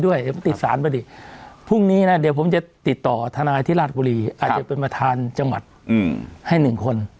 วันนี้ติดต่อทนายที่ราชกุรีอาจจะเป็นประธานจังหวัดให้๑คน